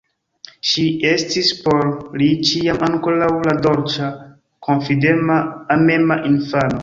Ŝi estis por li ĉiam ankoraŭ la dolĉa, konfidema, amema infano.